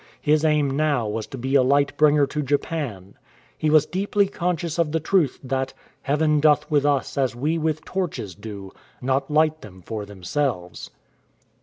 His aim now was to be a light bringer to Japan. He was deeply conscious of the truth that Heaven doth with us as we with torches do, Not light them for themselves.